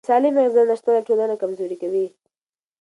د سالمې غذا نشتوالی ټولنه کمزوري کوي.